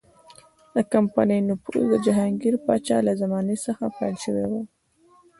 د کمپنۍ نفوذ د جهانګیر پاچا له زمانې څخه پیل شوی و.